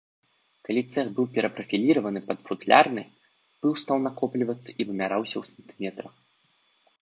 Калі цэх быў перапрафіліраваны пад футлярны, пыл стаў накоплівацца і вымяраўся ў сантыметрах.